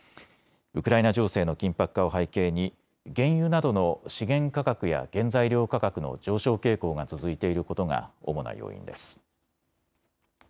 ウクライナ情勢の緊迫化を背景に原油などの資源価格や原材料価格の上昇傾向が続いていることが主な要因です。